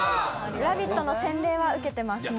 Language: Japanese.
「ラヴィット！」の洗礼は受けてます。